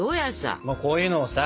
こういうのをさ。